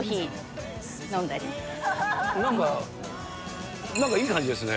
なんか、なんかいい感じですね。